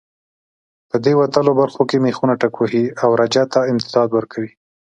په دې وتلو برخو کې مېخونه ټکوهي او رجه ته امتداد ورکوي.